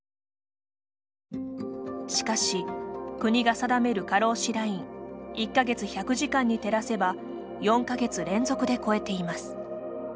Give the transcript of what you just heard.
しかし国が定める過労死ライン「１か月１００時間」に照らせば４か月連続で超えています。